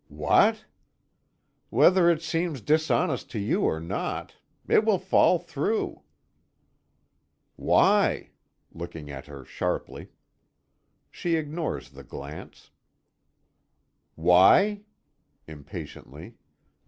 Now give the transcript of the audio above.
"What?" "Whether it seems dishonest to you or not. It will fall through." "Why?" looking at her sharply. She ignores the glance. "Why?" impatiently.